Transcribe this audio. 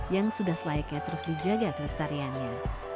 yang sudah selayaknya terus dijaga kelestariannya